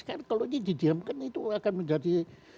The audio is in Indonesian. kan kalau ini didiamkan itu akan menjadi